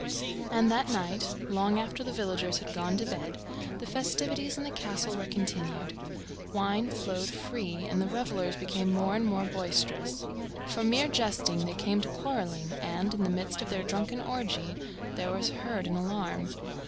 And that night, long after the villagers had gone to bed, the festivities in the castle were continued. Wine flowed free and the revellers became more and more boisterous. From mere jesting they came to quarrelling, and, in the midst of their drunken orgy, there was heard an alarm.